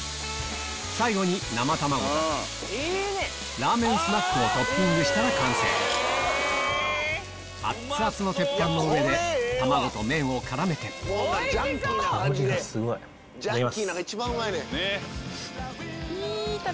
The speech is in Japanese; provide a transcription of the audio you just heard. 最後に生卵とラーメンスナックをトッピングしたら完成熱々の鉄板の上で卵と麺を絡めていただきます。